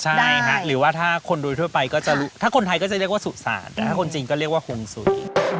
ใช่ค่ะหรือว่าถ้าคนโดยทั่วไปก็จะถ้าคนไทยก็จะเรียกว่าสุสานแต่ถ้าคนจีนก็เรียกว่าฮงสุย